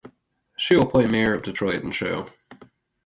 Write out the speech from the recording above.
She will play Mayor of Detroit in show.